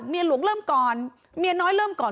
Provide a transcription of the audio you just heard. เมียหลวงเริ่มก่อนเมียน้อยเริ่มก่อน